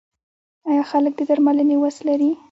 آیا خلک د درملنې وس لري؟